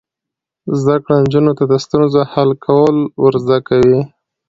زده کړه نجونو ته د ستونزو حل کول ور زده کوي.